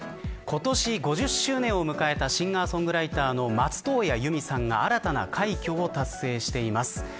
今年５０周年を迎えたシンガーソングライターの松任谷由美さんが新たな快挙を達成しています。